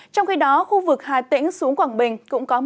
trong khi đó khu vực hà tĩnh xuống quảng bình cũng có mưa